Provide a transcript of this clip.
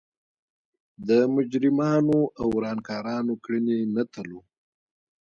د مجرمانو او ورانکارانو کړنې نه تلو.